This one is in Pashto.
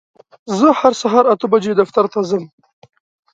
زه هر سهار اته بجې دفتر ته ځم.